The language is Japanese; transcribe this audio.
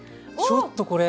ちょっとこれ。